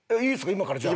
今からじゃあ。